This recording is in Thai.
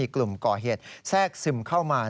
กลุ่มก่อเหตุแทรกซึมเข้ามา